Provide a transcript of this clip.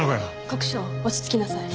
国生落ち着きなさい。